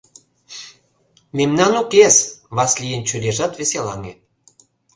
— Мемнан укес, — Васлийын чурийжат веселаҥе.